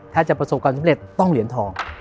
ถ้าจะประสบความสำเร็จต้องเหรียญทอง